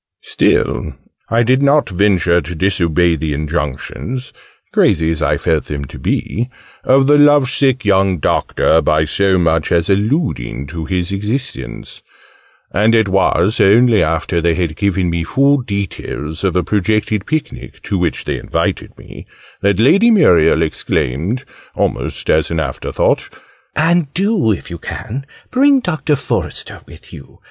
Still I did not venture to disobey the injunctions crazy as I felt them to be of the lovesick young Doctor, by so much as alluding to his existence: and it was only after they had given me full details of a projected picnic, to which they invited me, that Lady Muriel exclaimed, almost as an after thought, "and do, if you can, bring Doctor Forester with you!